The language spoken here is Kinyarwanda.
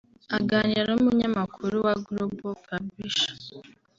Aganira n’umunyamakuru wa Global Publishers